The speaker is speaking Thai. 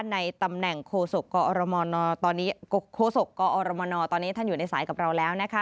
ในตำแหน่งโคสกออรมนอร์ตอนนี้ท่านอยู่ในสายกับเราแล้วนะคะ